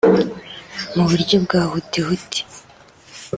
mu buryo bwa hutihuti